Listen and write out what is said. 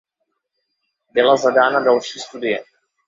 Byla zadána další studie.